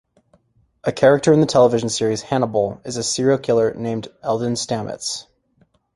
A character in the television series Hannibal is a serial killer named Eldon Stammets.